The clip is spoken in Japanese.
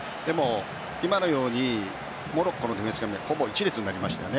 今のようにモロッコのディフェンスがほぼ１列になりましたね。